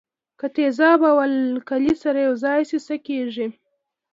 که تیزاب او القلي سره یوځای شي څه کیږي.